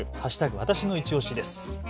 わたしのいちオシです。